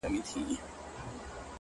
مثبت چلند اړیکې پیاوړې کوي